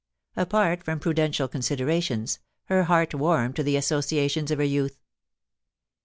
Apart from prudential considerations, her heart warmed to the associations of her youth.